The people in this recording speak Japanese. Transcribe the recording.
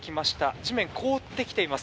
地面が凍ってきています。